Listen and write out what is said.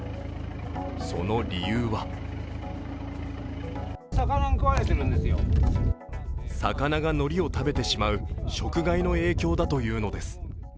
その理由は魚がのりを食べてしまう食害の影響だというのです。